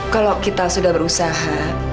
kalau kita sudah berusaha